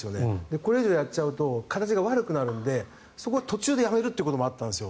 これ以上やっちゃうと形が悪くなるのでそこは途中でやめることもあったんです。